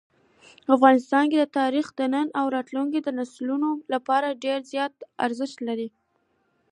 افغانستان کې تاریخ د نن او راتلونکي نسلونو لپاره ډېر زیات ارزښت لري.